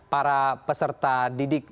para peserta didik